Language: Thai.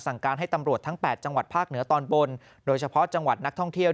การให้ตำรวจทั้ง๘จังหวัดภาคเหนือตอนบนโดยเฉพาะจังหวัดนักท่องเที่ยว